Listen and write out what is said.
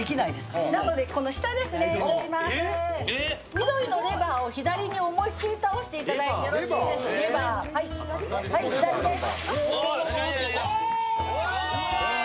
緑のレバーを左に思い切り倒していただいてよろしいですか、左です。